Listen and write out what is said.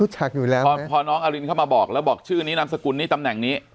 ชักอยู่แล้วพอน้องอรินเข้ามาบอกแล้วบอกชื่อนี้นามสกุลนี้ตำแหน่งนี้